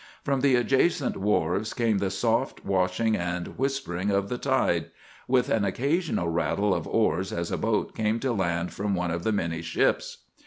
From the adjacent wharves came the soft washing and whispering of the tide, with an occasional rattle of oars as a boat came to land from one of the many ships.